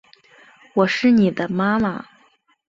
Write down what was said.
我是妳的妈妈